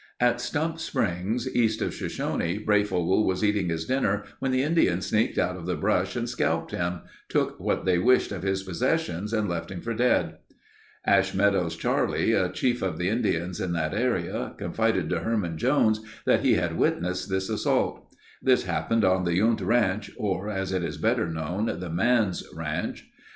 At Stump Springs east of Shoshone, Breyfogle was eating his dinner when the Indians sneaked out of the brush and scalped him, took what they wished of his possessions and left him for dead. Ash Meadows Charlie, a chief of the Indians in that area confided to Herman Jones that he had witnessed this assault. This happened on the Yundt Ranch, or as it is better known, the Manse Ranch.